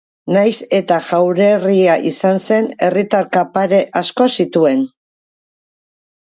Nahiz eta jaurerria izan zen, herritar kapare asko zituen.